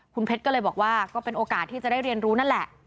คุณเพชรก็เลยบอกว่าก็เป็นโอกาสที่จะได้เรียนรู้นั่นแหละ